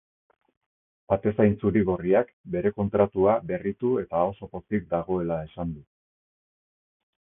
Atezain zuri-gorriak bere kontratua berritu eta oso pozik dagoela esan du.